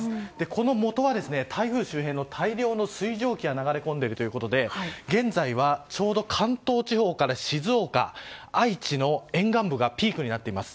このもとは台風周辺の大量の水蒸気が流れ込んでいるということで現在はちょうど関東地方から静岡、愛知の沿岸部がピークになっています。